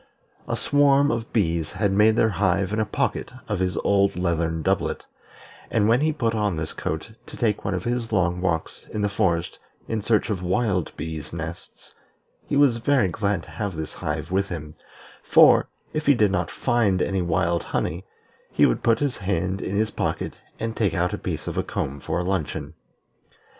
A swarm of bees had made their hive in a pocket of his old leathern doublet; and when he put on this coat to take one of his long walks in the forest in search of wild bees' nests, he was very glad to have this hive with him, for, if he did not find any wild honey, he would put his hand in his pocket and take out a piece of a comb for a luncheon.